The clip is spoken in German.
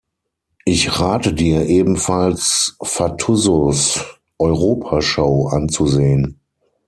Ich rate Dir, ebenfalls "Fatuzzo's Europa-Show" anzusehen.